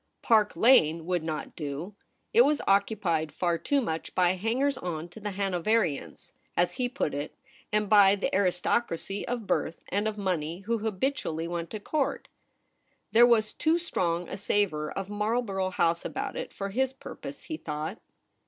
Park Lane would not do ; it was occupied far too much by hangers on to the Hanoverians, as he put it, and by the aristocracy of birth and of money who habi tually went to Court. There was too strong a savour of Marlborough House about it for his purpose, he thought.